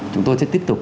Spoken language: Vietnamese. chúng tôi sẽ tiếp tục